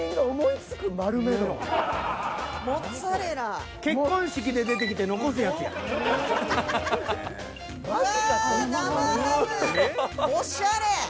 おしゃれ。